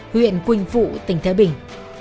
huyện quỳnh phụ tỉnh thái bình